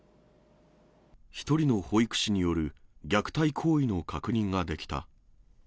１人の保育士による虐待行為の確認ができた。